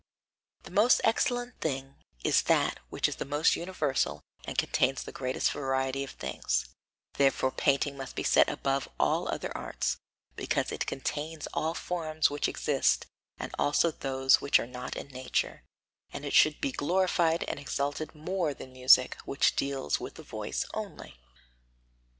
The most excellent thing is that which is the most universal and contains the greatest variety of things; therefore painting must be set above all other arts, because it contains all the forms which exist and also those which are not in nature, and it should be glorified and exalted more than music, which deals with the voice only.